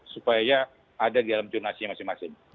supaya ada di dalam jurnasinya masing masing